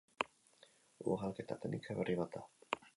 Ugalketa teknika berri bat da.